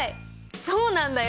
そうなんだよ！